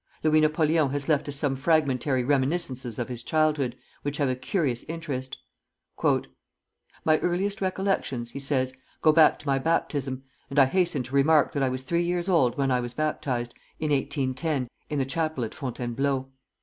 Louis Napoleon has left us some fragmentary reminiscences of his childhood, which have a curious interest. "My earliest recollections," he says, "go back to my baptism, and I hasten to remark that I was three years old when I was baptized, in 1810, in the chapel at Fontainebleau.